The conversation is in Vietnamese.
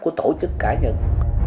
của tổ chức cả nhân